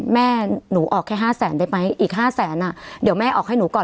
แม่หนูออกแค่๕แสนได้ไหมอีก๕แสนอ่ะเดี๋ยวแม่ออกให้หนูก่อน